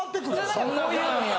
そんな子なんや。